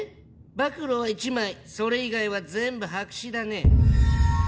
暴露は１枚それ以外は全部白紙だね。